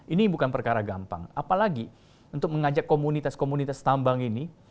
ini bukan perkara gampang apalagi untuk mengajak komunitas komunitas tambang ini